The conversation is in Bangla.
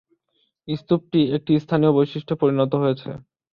স্তূপটি একটি স্থানীয় বৈশিষ্ট্যে পরিণত হয়েছে।